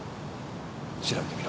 調べてみろ。